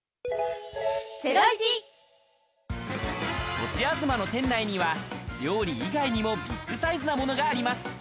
とちあずまの店内には、料理以外にもビッグサイズなものがあります。